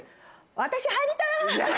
私入りたい！